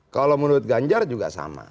kalau menurut ganjar juga sama